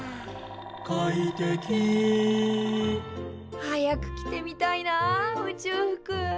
「快適」早く着てみたいな宇宙服。